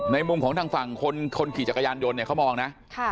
มุมของทางฝั่งคนขี่จักรยานยนต์เนี่ยเขามองนะ